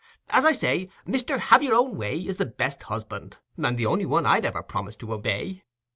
As I say, Mr. Have your own way is the best husband, and the only one I'd ever promise to obey.